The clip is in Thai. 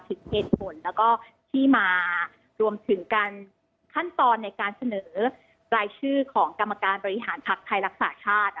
ถึงเหตุผลแล้วก็ที่มารวมถึงการขั้นตอนในการเสนอรายชื่อของกรรมการบริหารภักดิ์ไทยรักษาชาติ